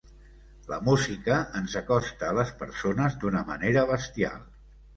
La música ens acosta a les persones d’una manera bestial.